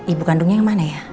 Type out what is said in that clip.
ibu kandungnya yang mana ya